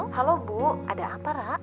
halo bu ada apa rak